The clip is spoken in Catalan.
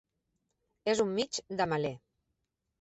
És un mig de melé.